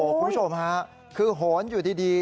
คุณผู้ชมฮะคือโหนอยู่ดี